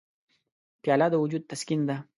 پیاله د وجود تسکین ده.